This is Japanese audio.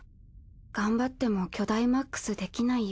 頑張ってもキョダイマックスできないよ。